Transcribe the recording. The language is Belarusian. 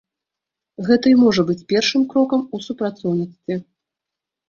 Гэта і можа быць першым крокам у супрацоўніцтве.